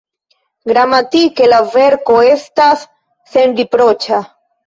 Gramatike la verko estas senriproĉa.